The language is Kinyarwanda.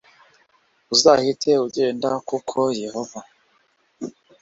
uzahite ugenda kuko yehova